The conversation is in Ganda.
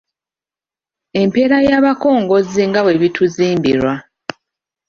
Empeera y’abakongozzi nga bwe bituzimbirwa